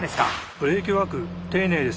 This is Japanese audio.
ブレーキワーク丁寧ですね。